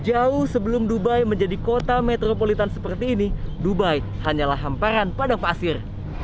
jauh sebelum dubai menjadi kota metropolitan seperti ini dubai hanyalah hamparan padang pasir